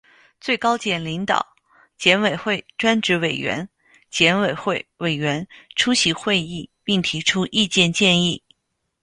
最高检领导、检委会专职委员、检委会委员出席会议并提出意见建议